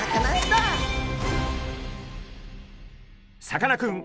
さかなクン